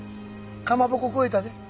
かまぼこ超えたで。